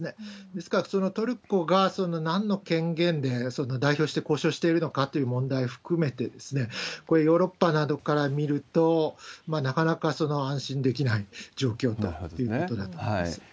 ですから、トルコがなんの権限で代表して交渉しているのかという問題を含めて、これ、ヨーロッパなどから見ると、なかなか安心できない状況ということだと思います。